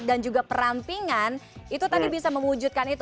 dan juga perampingan itu tadi bisa mewujudkan itu